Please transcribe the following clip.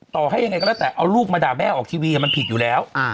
ต่อให้ยังไงก็แล้วแต่เอาลูกมาด่าแม่ออกทีวีมันผิดอยู่แล้ว